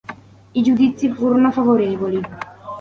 I giudizi furono favorevoli.